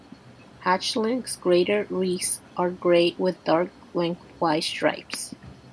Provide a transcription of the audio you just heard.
Hatchling greater rheas are grey with dark lengthwise stripes.